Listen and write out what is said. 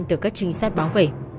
từ các trinh sát báo về